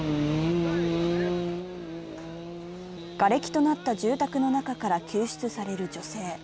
がれきとなった住宅の中から救出される女性。